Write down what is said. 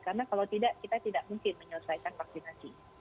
karena kalau tidak kita tidak mungkin menyelesaikan vaksinasi